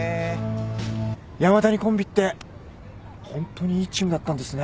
山谷コンビってホントにいいチームだったんですね。